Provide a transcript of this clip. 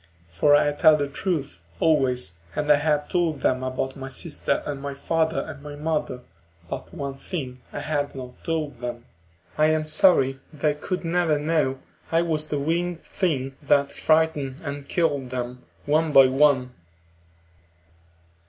For I tell the truth always, and I had told them about my sister and my father and my mother. But one thing I had not told them. I am sorry they could never know I was the winged thing that frightened and killed them, one by one....